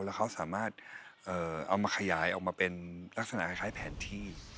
แล้วเขาสามารถเอามาขยายออกมาเป็นลักษณะคล้ายแผนที่